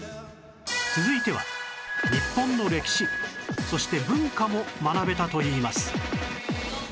続いては日本の歴史そして文化も学べたといいます